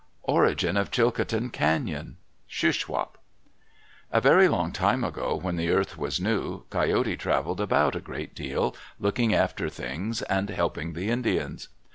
ORIGIN OF CHILCOTIN CAÑON Shuswap A very long time ago, when the earth was new, Coyote traveled about a great deal, looking after things and helping the Indians.